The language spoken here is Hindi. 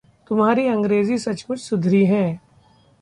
तुम्हारी अंग्रेज़ी सचमुच सुधरी है।